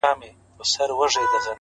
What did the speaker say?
o خدايه هغه زما د کور په لار سفر نه کوي؛